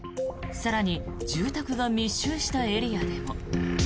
更に、住宅が密集したエリアでも。